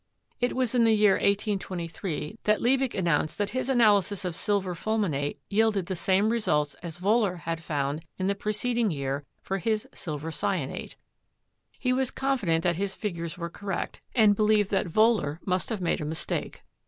It was in the year 1823 that Liebig announced that his analysis of silver fulminate yielded the same re sults as Wohler had found in the preceding year for his silver cyanate. He was confident that his figures were correct, and believed that Wohler must have made a mis take.